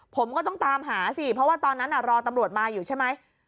ผมก็ต้องตามหาสิเพราะว่าตอนนั้นรอตำรวจมาอยู่ใช่ไหม